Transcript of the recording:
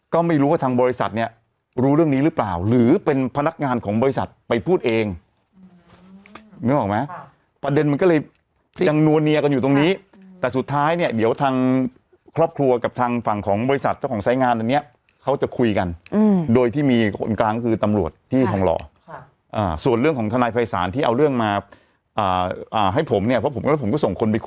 ก็ไม่รู้ว่าทางบริษัทเนี้ยรู้เรื่องนี้หรือเปล่าหรือเป็นพนักงานของบริษัทไปพูดเองนึกออกไหมอ่าประเด็นมันก็เลยยังนัวเนียกันอยู่ตรงนี้แต่สุดท้ายเนี้ยเดี๋ยวทางครอบครัวกับทางฝั่งของบริษัทแล้วของสายงานอันเนี้ยเขาจะคุยกันอืมโดยที่มีคนกลางก็คือตำรวจที่ทองหล่อค่ะอ่าส่วนเรื่องข